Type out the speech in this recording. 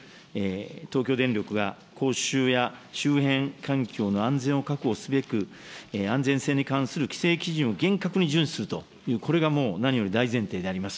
東京電力がこうしゅうや周辺環境の安全を確保すべく、安全性に関する規制基準を厳格に順守すると、これが何より大前提であります。